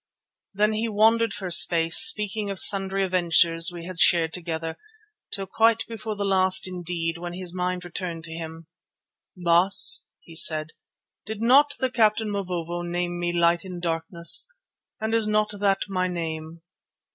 Then he wandered for a space, speaking of sundry adventures we had shared together, till quite before the last indeed, when his mind returned to him. "Baas," he said, "did not the captain Mavovo name me Light in Darkness, and is not that my name?